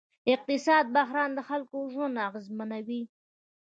اقتصادي بحران د خلکو ژوند اغېزمنوي.